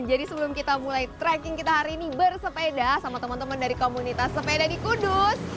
jadi sebelum kita mulai trekking kita hari ini bersepeda sama teman teman dari komunitas sepeda di kudus